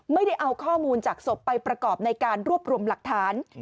ไม่ได้เอาข้อมูลจากศพไปประกอบในการรวบรวมหลักฐาน